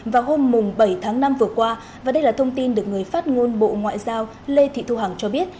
vào hôm bảy tháng năm vừa qua và đây là thông tin được người phát ngôn bộ ngoại giao lê thị thu hằng cho biết